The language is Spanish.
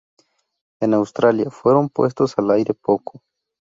En Australia, fueron puestos al aire poco.